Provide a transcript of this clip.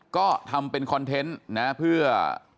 ก็ทำเป็นคอนเทนต์นะเพื่อ